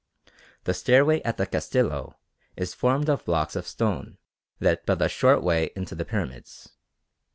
The stairway at the Castillo is formed of blocks of stone let but a short way into the pyramids.